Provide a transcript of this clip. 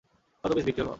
কত পিস বিক্রি হলো?